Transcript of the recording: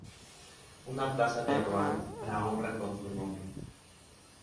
Una plaza de Ruan le honra con su nombre.